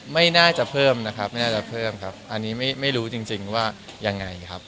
ไม่น่าจะเพิ่มนะครับไม่น่าจะเพิ่มครับอันนี้ไม่รู้จริงว่ายังไงครับ